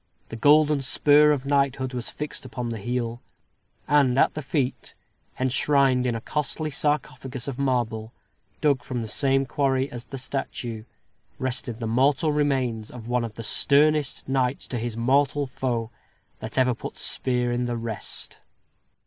The golden spur of knighthood was fixed upon the heel; and, at the feet, enshrined in a costly sarcophagus of marble, dug from the same quarry as the statue, rested the mortal remains of one of "the sternest knights to his mortal foe that ever put speare in the rest."